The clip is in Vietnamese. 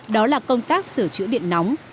đó là công tác sửa chữa điện nóng